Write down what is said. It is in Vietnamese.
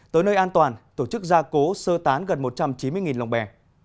tới nơi an toàn tổ chức gia cố sơ tán gần một trăm chín mươi lòng bè